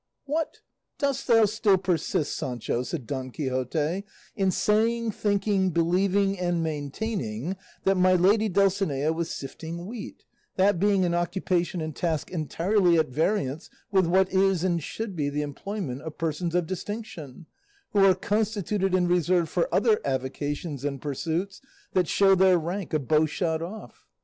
"What! dost thou still persist, Sancho," said Don Quixote, "in saying, thinking, believing, and maintaining that my lady Dulcinea was sifting wheat, that being an occupation and task entirely at variance with what is and should be the employment of persons of distinction, who are constituted and reserved for other avocations and pursuits that show their rank a bowshot off?